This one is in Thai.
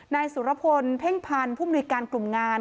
นายสุรพลเพ่งพันธ์ผู้มนุยการกลุ่มงาน